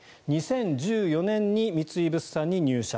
３１歳２０１４年に三井物産に入社。